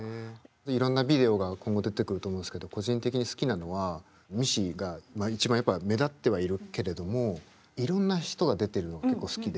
いろんなビデオが今後出てくると思うんすけど個人的に好きなのはミッシーが一番やっぱ目立ってはいるけれどもいろんな人が出てるのが結構好きで。